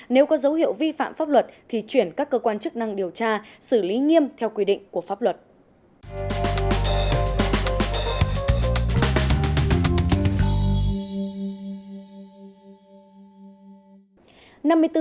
nếu có dấu hiệu vi phạm pháp luật thì chuyển các cơ quan chức năng điều tra xử lý nghiêm theo quy định của pháp luật